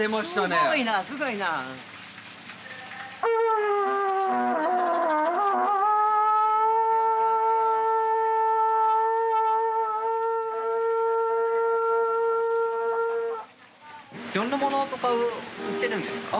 どんなものとかを売ってるんですか？